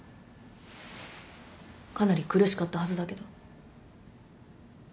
かなり苦しかったはずだけど。